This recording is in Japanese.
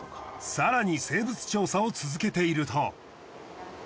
更に生物調査を続けていると。